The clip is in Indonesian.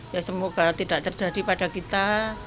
ya semoga tidak terjadi pada kita